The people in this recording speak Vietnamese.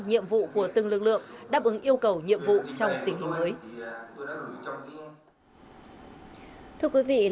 nhiệm vụ của từng lực lượng đáp ứng yêu cầu nhiệm vụ trong tình hình mới